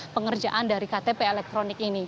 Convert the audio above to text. pengerjaan dari ktp elektronik ini